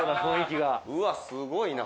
「うわっすごいな。